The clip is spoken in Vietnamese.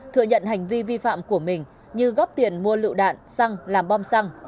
thừa nhận hành vi vi phạm của mình như góp tiền mua lựu đạn xăng làm bom xăng